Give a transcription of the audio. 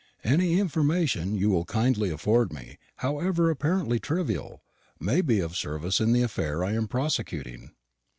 Any information you will kindly afford me, however apparently trivial, may be of service in the affair I am prosecuting.